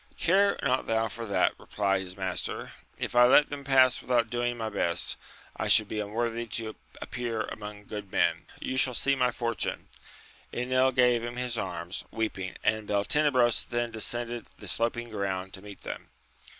Care not thou for that, replied his master, if I let them pass without doing my best I should be unworthy to appear among good men : you shall see my fortune. Enil gave him his arms, weeping, and Beltenebros then descended the sloping ground to meet them.